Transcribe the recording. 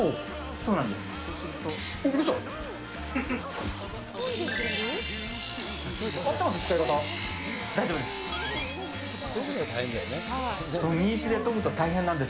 そうなんです。